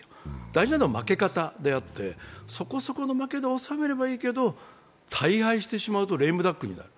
大事なのは負け方であって、そこそこの負けで収めればいいけど大敗してしまうとレームダックになる。